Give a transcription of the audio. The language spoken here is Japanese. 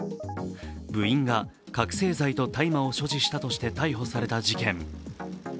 部員が覚醒剤と大麻を所持したとして逮捕された事件。